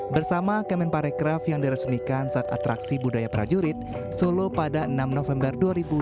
bersama kemen parekraf yang diresmikan saat atraksi budaya prajurit solo pada enam november dua ribu dua puluh